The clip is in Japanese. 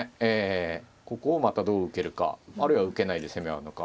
ここをまたどう受けるかあるいは受けないで攻め合うのか。